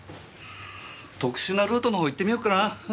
特殊なルートのほう行ってみよっかな。